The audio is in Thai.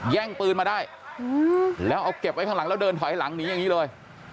แย่งปืนมาได้แล้วเอาเก็บไว้ข้างหลังแล้วเดินถอยหลังหนีอย่างนี้เลย